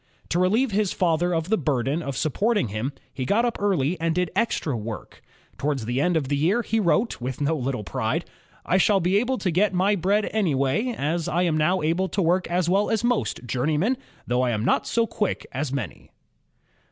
To relieve his father of the burden of supporting him, he got up early and did extra work. Towards the end of the year he wrote, with no little pride: "I shall be able to get my bread anywhere, as I am now able to work JAMES WATT II as well as most journe3maen, though I am not so quick as many."